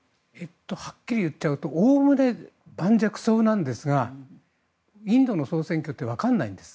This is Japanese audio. はっきり言っちゃうとおおむね盤石そうなんですがインドの総選挙ってわからないんです。